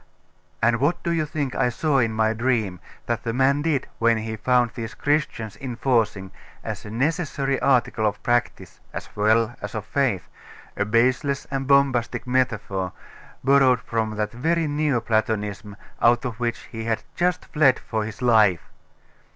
'And what do you think I saw in my dream that that man did when he found these Christians enforcing, as a necessary article of practice, as well as of faith, a baseless and bombastic metaphor, borrowed from that very Neo Platonism out of which he had just fled for his life?